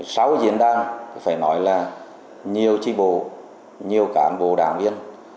sau diễn đàn phải nói là nhiều tri bộ nhiều cán bộ đảng viên